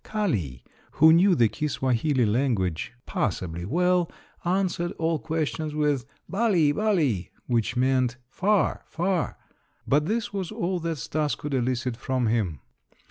Kali, who knew the Kiswahili language passably well, answered all questions with, "Bali! bali!" which meant "far! far!" but this was all that Stas could elicit from him.